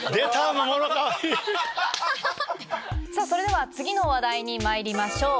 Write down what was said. それでは次の話題にまいりましょう。